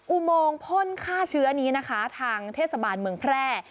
อุโมงพ่นฆ่าเชื้อนี้นะคะทางเทศบาลเมืองแพร่